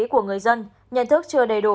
của người dân nhận thức chưa đầy đủ